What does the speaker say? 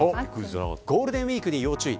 ゴールデンウイークに要注意。